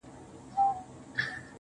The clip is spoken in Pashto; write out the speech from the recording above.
چي ټوله ورځ ستا د مخ لمر ته ناست وي.